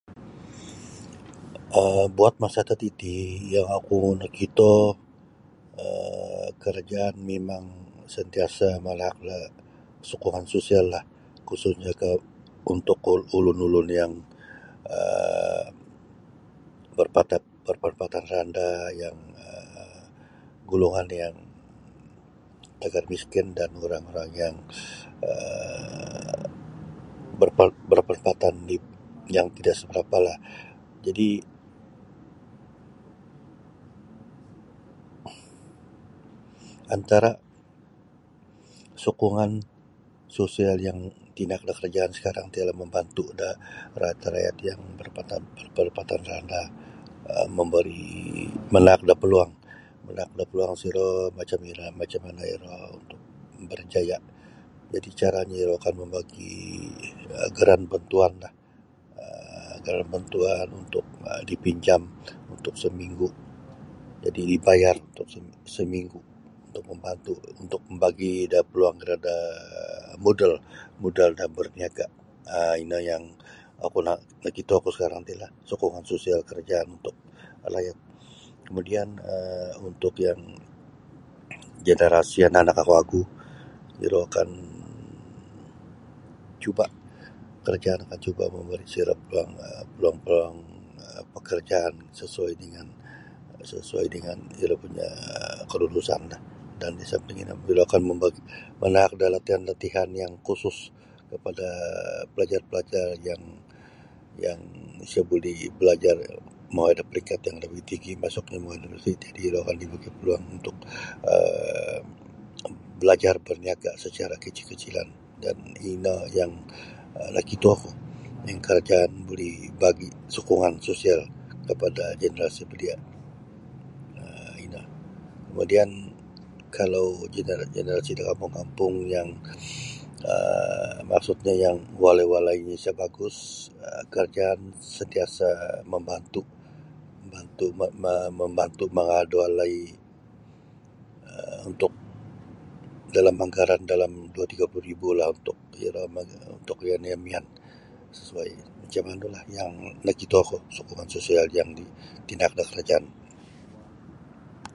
um Buat masa tatiti yang oku nokito um karajaan mimang santiasa manaak da sokongan sosial lah khususnya ke untuk ulun-ulun yang um barpatan-berpandapatan randah yang um golongan yang tegar miskin dan yang um yang barpandapatan yang tida seberapa lah jadi antara sokongan sosial yang tinaak da karajaan sakarang ti ialah mambantu da rakyat-rakyat yang barpandapatan randah um memberi manaak peluang manaak da peluang siro macam iro macam mana iro berjaya jadi caranyo iro kan membagi geran bantuan um geran bantuan untuk dipinjam untuk seminggu jadi ibayar seminggu membantu untuk mambagi da paluang um modal da berniaga um ino yang oku nnakito ku sakarang ti lah sokongan sistem karajaan untuk layak kemudian um untuk generasi anak-anak wagu iro akan cuba karajaan akan cuba momori di sio da paluang paluang-paluang um pakarjaan sesuai dengan sesuai dengan iro punya um kelulusan dan disamping iro mambagi manaak da latian yang khusus kepada palajar-palajar yang yang isa buli balajar mongoi da peringkat universiti untuk yang di universiti iro mambari paluang balajar berniaga kecil kecilan dan ino yang um nakito ku karajaan beri bagi sokongan sosial kepada generasi belia um ino kemudian kalau generasi da kampung-kampung yang um maksudnya yang walai walainyo isa bagus karajaan sentiasa membantu membantu mangaal da walai um untuk dalam anggaran dalam dua puluh tiga puluh untuk yananya mian sesuai macam manulah yang sokongan sosial yang nakito ku yang di tinaak da karajaan.